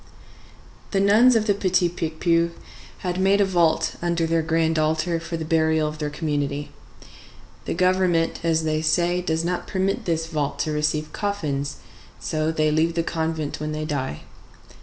The nuns of the Petit Picpus had made a vault under their grand altar for the burial of their community. The Government, as they say, does not permit this vault to receive coffins so they leave the convent when they die.